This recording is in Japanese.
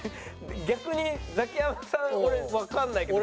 逆にザキヤマさんこれわかんないけど。